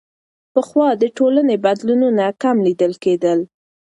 پخوا د ټولنې بدلونونه کم لیدل کېدل.